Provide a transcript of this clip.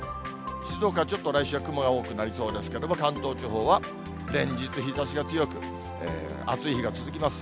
静岡、ちょっと来週は雲が多くなりそうですけれども、関東地方は連日日ざしが強く、暑い日が続きます。